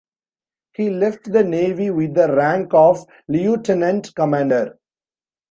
He left the navy with the rank of lieutenant commander.